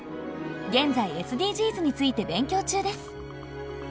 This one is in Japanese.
現在ＳＤＧｓについて勉強中です。